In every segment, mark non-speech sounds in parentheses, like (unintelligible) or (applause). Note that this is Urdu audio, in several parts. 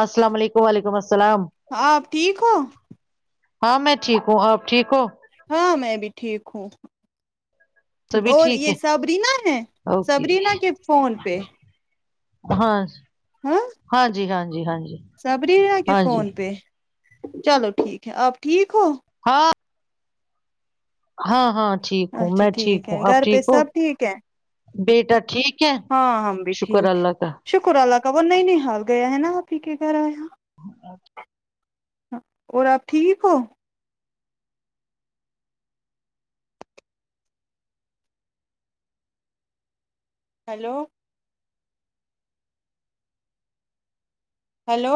السلام علیکم و علیکم السلام آپ ٹھیک ہو ہاں میں ٹھیک ہوں آپ ٹھیک ہ ہو ہاں میں بھی ٹھیک ہوں سبھی اور ٹھیک یہ ہے سبرینا ہے اوکے سبرینا کے فون پہ ہاں ہاں جی ہاں جی جی ہاںی سبری رہ کہ فون پہ چلو ٹھیک ہے آپ ٹھیک ہو ہاں ہاں ہاں ٹھیک ہوں اچھا میں ٹھیک ہے ہوں آپ گھر پہ ہو سب ٹھیک ہے بیٹا ٹھیک ہے ہاں ہم بھی شکر ٹھیک ہے اللہ کا شکر اللہ کا وہ نہیں نہیں حال گیا ہے نا آ پیک کراا (unintelligible) ہ (unintelligible) اور آپ ٹھیک ہو ہیلو ہلو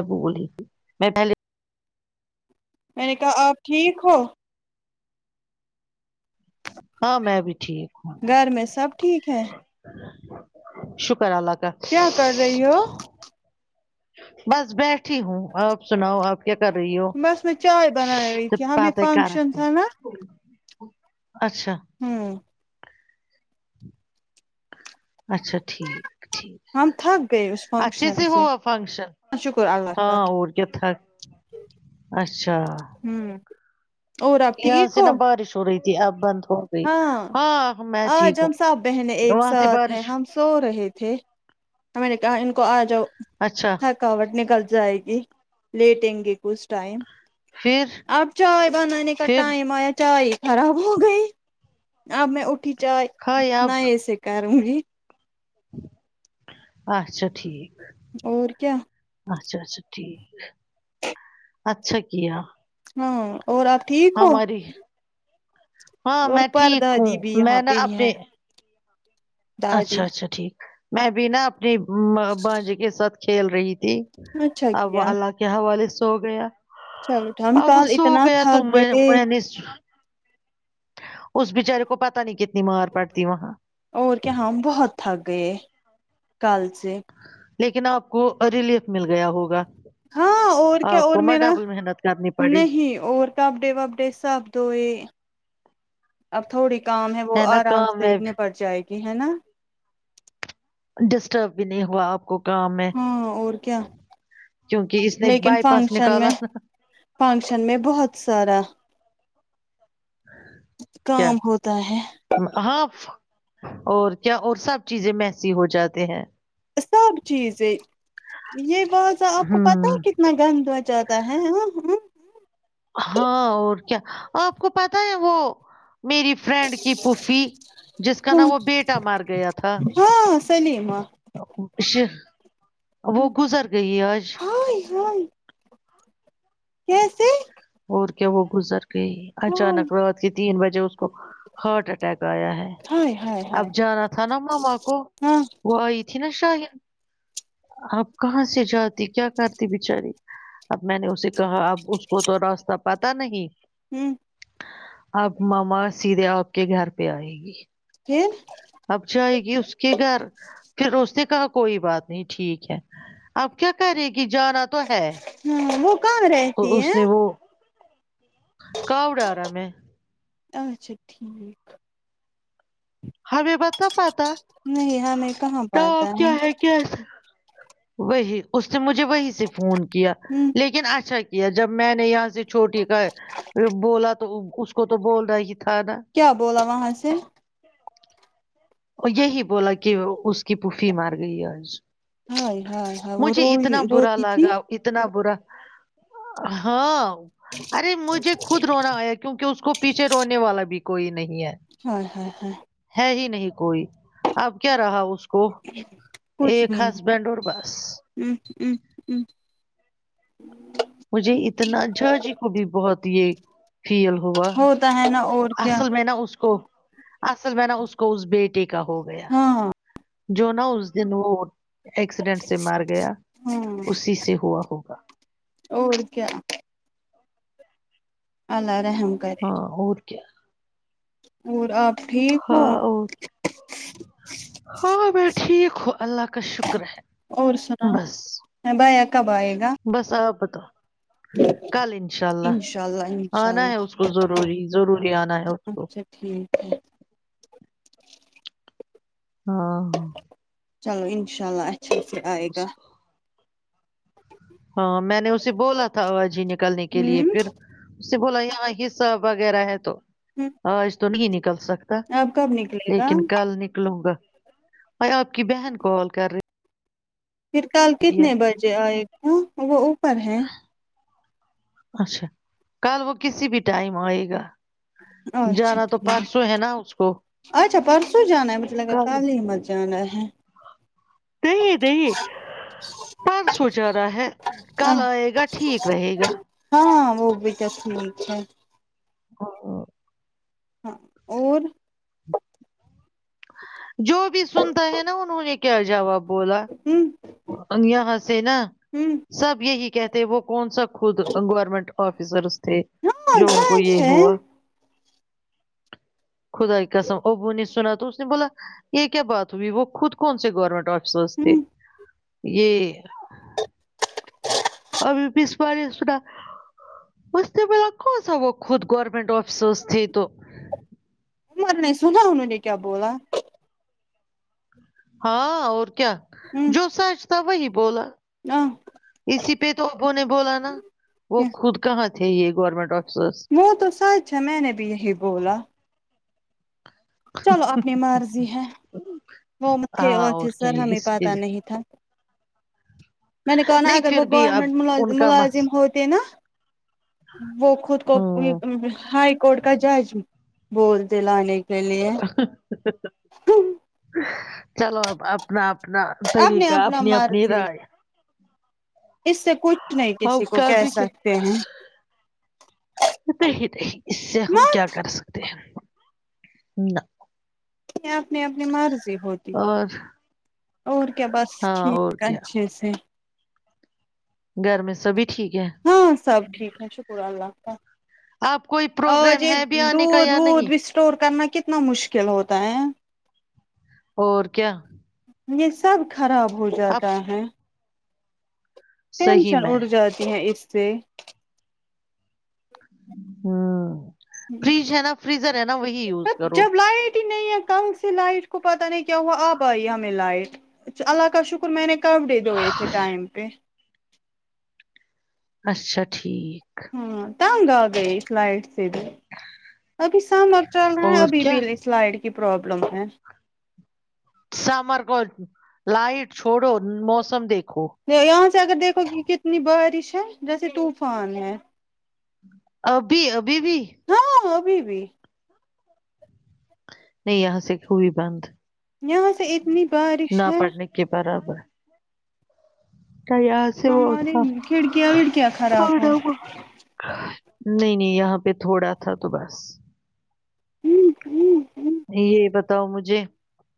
اب بلی تھی میں پہلے میں نے کہا آپ ٹھیک ہو ہاں میں بھی ٹھیک گھر میں سب ٹھیک ہے شکر اللہ کا کیا کر رہی ہو بس بیٹھ ہوں آپ سناؤ آپ کیا کر رہی ہو بس میں چائے بنا رہی جب تھی ہمیں باتیں کر فنکشن رکھتی تھا نا (unintelligible) اچھا ہوں اچھا ٹھیک ٹھیک ہم تھک گئے اس اچھے فنکشن سے ہوا فنکشن شکر اللہ کا ہاں اور چوھا اچھا اچھا ہوں اور آپ یہاں ٹھیک سے ہو نا بارش ہو رہی اب بند ہو گئی ہاں ہاں میں آج ٹھیک ہم سب بہنیں ہوں ایک وہاں سے ساتھ ہیں بارش ہم سو رہے تھے ہم نے کہااں ان کو آجا اچھا تھکاوٹ نکلتی ائ گی لیٹیں گے کس ٹائم پھر اب چائے بنانے کا پھر ٹائم آیا چائے خراب ہو گئی آپ میں اٹھی ج کھائے اب نہیں ایسے کر سی اچھا ٹھیک اور کیا اچھا اچھا ٹھیک اچھا کیا ہاں اور آپ ٹھیک ہو ہماری ہاں اور میں پر ٹھیک ہوں دادی بھی یہاں میں نا پہ ہی ہے اپنے دادی اچھا اچھا ٹھیک میں بھی نا اپنی بانجی کے ساتھ کھیل رہی ت اچھا اب کیا اللہ کے حوالے سے سو گیا چلو ٹھام اب وہ کال سو اتنا گیا تھا تو میں گئے میں نے اس اس بچارے کو پتا نہیں کتنی مار پڑتی وہاں اور کیا ہاں بہت تھک گئے کل سے جی (unintelligible) لیکن آپ کو ریلیف مل گیا ہوگا ہاں اور کیا آپ اور کو مت میرا ڈبل محنت کرنی پڑی نہیں اور کاپڈے وپڈے سب دوئے اب تھوڑی کام ہے وہ نا آرام کام سے میں اتنی پڑ جائے گی کہ ہے نا ڈسٹرب بھی نہیں ہوا آپ کو کام میں ہاں اور کیا کیونکہ اس نے لیکن بائی پاس فنکشن میں نکالا نا فنکشن میں بہت سارا کیا کام ہوتا ہے ہاں اور کیا اور سب چیزیں میسی ہو جاتے ہیں سب چیز یہ یہ بہت آپ کو پتاہ ہے ہوں کتنا گند زیادہ ہے ہاں اور کیا آپ کو پتا ہے وہ میری فرینڈ کی پفی جس کا نام وہ بیٹا مار گیا تھا ہاں سلیما وہ گزر گئی آج ہائے ہائے کیسے اور کیا وہ گزر گئی اچانک رات کے تین بجے اس کو ہارٹ اٹیک گایا ہے ہائے ہائے ہائے اب جانا تھا نا ماما کو ہاں وہ آئی تھی نا اب کہاں سے جاتی کیا کرتی بچاری اب میں نے اسے کہا اب اس کو تو راستتا پتا نہیں (unintelligible) آپ ماما سیدھے آپ کے گھر پہ آئے گی پھر اب جائے گی اس کے گھر پھر اس نے کہا کوئی بات نہیں ٹھیک ہے آپ کیا کرے گی جانا تو ہے ہاں وہ کہاں رہتی ہے ک ا ڈا رہا میں اچھا ٹھیک (unintelligible) نہیں ہمیں کہاں پاتا ہے (unintelligible) اس نے مجھے وہی سے فون کیا ہوں لیکن اچھا جب میں نے یہاں سے چھوٹی کا ہے بولا تو تو اس کو تو بول رہا ہے کیا بولا وہاں سے اور یہی بولا کہ اس کی پھوفھی مار گئی آج ہائے ہائے ہ وہ مجھے رو اتنا برا روتی تھی لگا اتنا برا ہاں ارے مجھے خود رونا آیا کیونکہ اس کو پیچھے رونے والا بھی کوئی نہیں ہائے ہائے ہائے ہے ہی نہیں کوئی اب کیا رہا اس کو ایک ہسبینڈ اور بس (unintelligible) مجھے اتنا جھاجی کو بھی بہت یہ فیل ہوا ہوتا ہے نا اور کیا اصل میں نا اس کو اصل میں نا اس کو اس بیٹے کے کا ہو گیا ہاں جو نا اس دن وہ ایکسیڈنٹ سے مار گیا ہاں اسی سے ہوا ہوگا اور کیا اللہ رحم کرے ہاں اور کیا اور آپ ٹھیک ہو ہاں اور ہاں میں ٹھیک ہوں اللہ کا شکر ہے اور سنا بس میں بایا بس آپ تو کل انشاء انشاء اللہ انشاء آنا ہے اللہ اس کو ضروری ضروری آنا ہے اس کو اچھا ٹھیک ہے ہاں چلو انشاء اللہ اچا پھر آئے گا اس کو ہاں میں نے اسے بولا تھا اوا جی نکالنے کے لیے ہوں پھر بولا یہاں حصہ وغیرہ ہے تو ہاں است نہیں آپ کب نکلے (unintelligible) گا لیکن کل نکلوں گا ب آپ کی بہن کال کر رہی پھر کال ہے کتنے بجے آئے کو وہ اوپر ہے اچھا کل وہ کسی بھی ٹائم آئے گا اچھا جانا ٹھ تو پرسوں ہے نا اس کو اچھا پرسوں جانا ہے ب سے لگا کال مہ جانا ہے (unintelligible) دی دی پر سوچ رہا ہے کل آئے گا ٹھیک رہے گا ہاں وہ بھی جس منھ ہے (unintelligible) ہاں اور جو بھی سنتا ہے نا انہوں نے کیا جواب بولا ہوں (unintelligible) یہاں سے نا ہوں سب یہ ہی کہتے ہیں وہ کون سا ہو تو انگوورمنٹ آفیسر (unintelligible) تھ ہاں جو ان کو سچ یہ ہے ہوا خدائی قسم ابو نے سنا تو اس نے بولا یہ کیا بات ہوئی وہ خود کون سے گورنمنٹ آفیسر تھے ہوں یہ (unintelligible) ابھی پس ب سا بچتے بلا کون سا وہ خود گورورنمنٹ آفس تھی تو عمر نہیں سنا انہوں نے کیا بولا ہاں اور کیا ہوں جو سچ تھا وہی بولا ہاں اسی پہ تو ابو نے بولا نا وہ خود کہاں تھ یہ گورنمنٹ آ وہ تو سچ ہے میں نے بھی یہی بولا چلو اپنی مرضی ہے وہ م تھے ہاں اور تھے کیا سر یہ ہمیں اس کے پتاہ لیے نہیں تھا میں نے کہا نہیں اگر ب پھر وہ بھی اب گورمنٹ ان م کا مللازم مسئلہ ہوتے نا وہ خود کو ہوں ہائی کورٹ کا جج بولتے ل (unintelligible) س لیے (unintelligible) چلو اپنا اپنا اپنے طریقہ اپنا اپنی اپنی مرضی رائے اس سے کچھ نہیں ہم کسی کو کر کہ بھی کیا سکتے ہیں نہیں نہیں اس ہ (inaudible) اپنے اپنی مرضی ہوتی اور اور (inaudible) بس ہاں اور ٹھیک ہے کیا اچھے سے گھر میں سبھی ٹھیک ہے ہاں سب ٹھیک ہے شکر اللہ (unintelligible) آپ کوئی ا ج پروگرام ہے بھی آنے کا دودھ یا وھ نہیں بھی اسٹور کرنا (inaudible) کتنا مشکل ہوتا ہے اور کیا یہ سب خراب ہو اب جاتا ہے صحیح ٹینشن میں اٹ جاتی ہے اس سے (inaudible) ہاں (inaudible) ہ یوز کرو جب لائٹ ہی نہیں ہے کنگ سے لائٹ کو پتہ نہیں کیا وہ آب آئی ہمیں لائٹ اللہ کا شکر میں نے کپڑے دوئے تھے ٹائم پہ (inaudible) اچھا ٹھیک ہاں (inaudible) تنگہ گئےئی ف لائٹ ابھی سامر چل رہا ہے اور ابھی بھی کیا سلائڈ کی پرابلم ہے سمر کو لائٹ چھوڑو موسم دیکھ یہاں سے اگر دیکھو گی کتنی بارش جیسے طوفان ہے ابھی ابھی بھی ہاں ابھی بھی نہیں یہاں سے ہوئی بند یہ س اتنی بارش نہ ہے پڑھنے (inaudible) یہاں سے وہ ہماری تھا کھڑکیاں وڑکیاں خراب ہو تھوا وہ نہیں نہیں یہاں پہ تھوڑا تھا تو بس ہوں ہوں یہ بتاؤ مجھے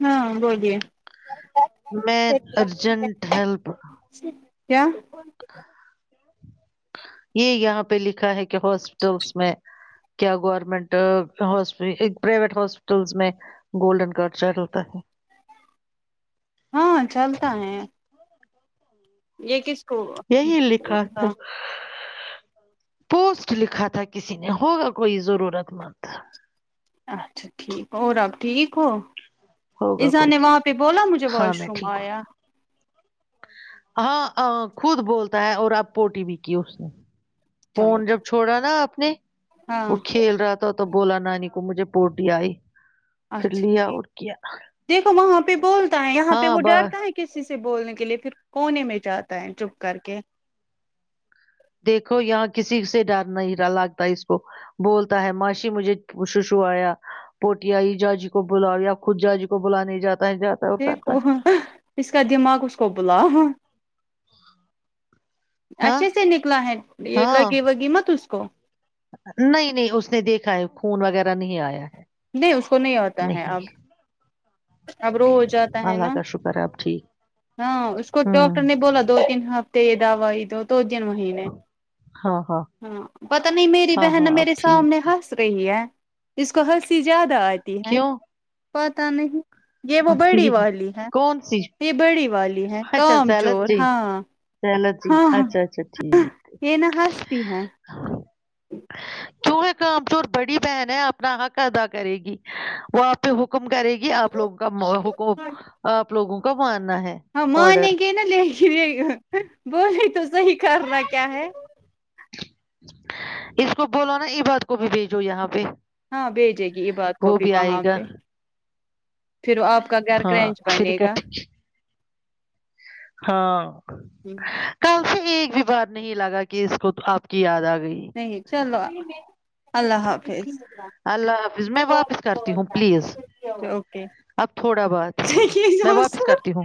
ہاں بولیے میں ارجنٹ ہیلپ کیا یہ یہاں پہ لکھا ہے کہ ہاسپٹلس میں کیا گورنمنٹ ہسپ پرائیویٹ ہاسپٹلس میں گولڈن کارڈ چلتا ہے ہاں چلتا ہے یہ کس کو یہی لکھا ہاں پوسٹ لکھا تھا کسی نے ہوگا کوئی ضرورت مند اچھا ٹھیک اور آپ ٹھیک ہو ہوگا ایذا کوئی نے وہاں پہ بولا مجھے ہاں واش میں روم ٹھیک ہوں آیا ہاں خود بولتا ہے اور آپ پوٹی بھی کی اس نے چلو فون جب ٹھیک چھوڑا نا آپ نے ہاں وہ کھیل رہا تھا تو بولا نانی کو مجھے پوٹی آئی پھر اچھا لیا ٹھیک اور کیا دیکھو وہاں پہ بول یہاں پہ ہاں وہ با ڈرتا ہے کسی سے بولنے کا کے لیے پھر کونے میں جاتا ہے چپ کر کے دیکھو یہاں کسی سے ڈر نہیں رہا لگتا اس کو بولتا ہے ماشی مجھے سوشو آیا پوٹ آئی جاجی کو بلاؤ یا خود جاجی کو بلاانے جاتا ہے جاتا ہے اور کرتا دیکھو ہے اس کا دماغ اس کو بلا ہ ہاں اچھے سے نکلا ہے یہ ہاں لگی وگی مت کو نہیں نہیں اس نے دیکھا ہے خون وغیرہ نہیں آیا ہے نہیں اس کو نہیں ہوتا ہے اب نہیں اب رو ہو جاتا ہے اللہ نا کا شکر ہے اب ٹھیک ہاں اس کو ڈاکٹر ہوں نے بولا دو تین ہفتے پ دا وا ا تو ن مہینے ہاں پت نہیں میری ہاں بہن ہاں اب میرے سامنے ٹھیک ہنس رہی ہے اس کو ہنسیجد آتی ہیں کیوں پتہ نہیں یہ وہ بڑی یہ والی ہے کون سی یہ بڑی والی ہے کام چور ہاں چو جی ہاں ہاں اچھا اچھا ٹھیک ہے ج کیوں ہے کام جوور بڑی بہن ہے اپنا حق ادا کرے گی وہ آپ ح حکم کرے گی آ لوگوں کا حک لوگوں کا ب ہاں م نے کے نا لے کے بولے تو صح ہی کرنا کیا ہے اس کو بولو نا ای بات کو بھی بھیجو یہاں پہ ہاں بھیجے گی یہ بات کو وہ بھی آئے وہاں گا پہ پھر آپ کا گھر ہاں کرینچ فری بنے کٹ گا ہاں کل سے ایک بھی باہر نہیں لگا کہ اس کو آپ کی یاد آ گئی نہیں چلو اللہ حافظ اللہ حافظ میں واپس کرتی ہوں پلیز اوکے اب تھوڑا بہت میں واپس کرتی ہوں